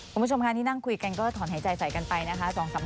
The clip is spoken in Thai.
คุณผู้ชมค่ะนี่นั่งคุยกันก็ถอนหายใจใส่กันไปนะคะ